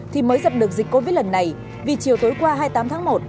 thì mới dập được dịch covid lần này vì chiều tối qua hai mươi tám tháng một